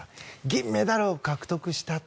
銀メダルを獲得した。